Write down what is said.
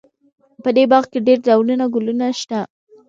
په دې باغ کې ډېر ډولونه ګلونه شته